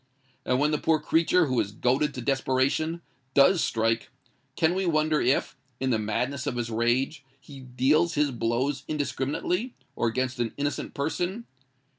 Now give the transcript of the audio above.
And when the poor creature who is goaded to desperation, does strike—can we wonder if, in the madness of his rage, he deals his blows indiscriminately, or against an innocent person?